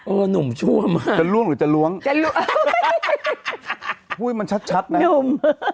โอ้หนุ่มชั่วมากจะล่วงหรือจะล้วงอุ้ยมันชัดนะหนุ่ม